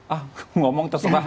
ah ngomong terserah